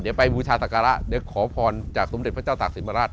เดี๋ยวไปบูชาศักระเดี๋ยวขอพรจากสมเด็จพระเจ้าตากศิลปราช